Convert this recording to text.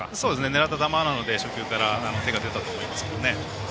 狙った球なので初球から手が出たと思いますね。